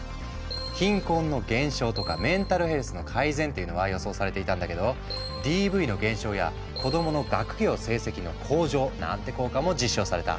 貧困の減少とかメンタルヘルスの改善っていうのは予想されていたんだけどＤＶの減少や子どもの学業成績の向上なんて効果も実証された。